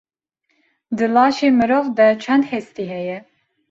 Di laşê mirov de çend hestî heye?